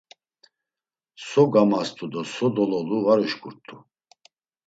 So gamast̆u do so dololu var uşǩurt̆u.